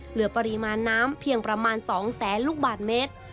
เหลือปริมาณน้ำเพียงประมาณ๒แสนลูกบาทเมตร